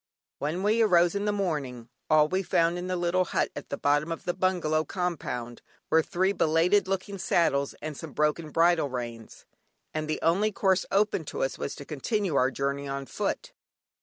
When we arose in the morning, all we found in the little hut at the bottom of the bungalow compound were three belated looking saddles and some broken bridle reins, and the only course open to us was to continue our journey on foot.